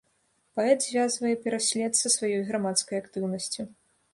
Паэт звязвае пераслед са сваёй грамадскай актыўнасцю.